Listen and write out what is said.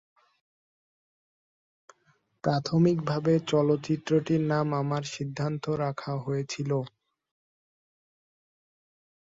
প্রাথমিকভাবে চলচ্চিত্রটির নাম ‘আমার সিদ্ধান্ত’ রাখা হয়েছিল।